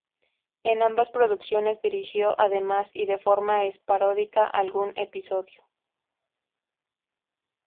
En ambas producciones dirigió, además y de forma esporádica, algún episodio.